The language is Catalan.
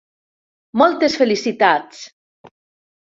Moltes felicitats.